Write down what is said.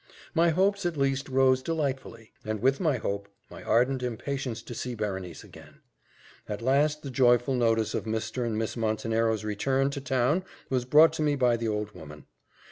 My hopes, at least, rose delightfully; and with my hope, my ardent impatience to see Berenice again. At last, the joyful notice of Mr. and Miss Montenero's return to town was brought to me by the old woman.